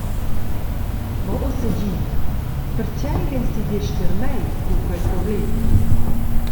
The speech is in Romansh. Mo ussa di, pertgei vegns ti gest tier mei cun quei problem?»